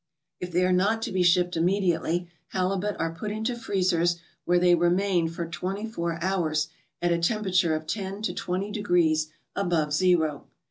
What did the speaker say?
If they are not to be shipped immediately halibut are put into freezers where they remain for twenty four hours at a temperature of ten to twenty degrees above zero.